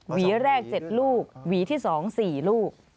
หวีแรก๗ลูกหวีที่๒๔ลูก